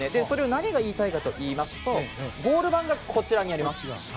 何が言いたいかといいますとゴール板がこちらにあります。